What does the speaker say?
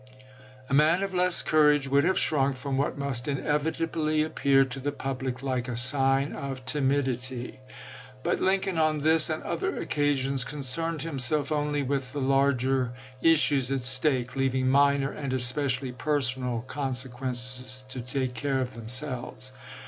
A man of less courage would have shrunk from what must inevitably appear to the public like a sign of timidity; but Lincoln on this and other occasions concerned himself only with the larger issues at stake, leaving minor and especially per sonal consequences to take care of themselves.